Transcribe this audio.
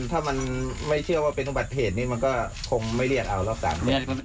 ถ้ามันไม่เชื่อว่าเป็นอุบัติเหตุนี้มันก็คงไม่เรียกเอาแล้วกัน